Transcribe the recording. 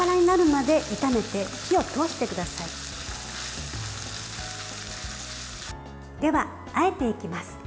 では、あえていきます。